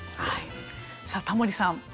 さあタモリさん。